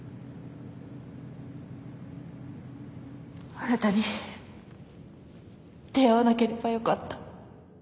あなたに出会わなければよかった